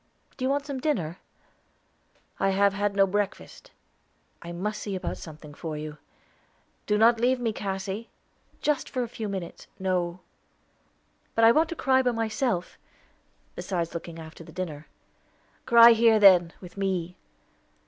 "Do you want some dinner?" "I have had no breakfast." "I must see about something for you." "Not to leave me, Cassy." "Just for a few minutes." "No." "But I want to cry by myself, besides looking after the dinner." "Cry here then, with me.